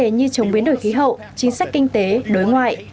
vấn đề như chống biến đổi khí hậu chính sách kinh tế đối ngoại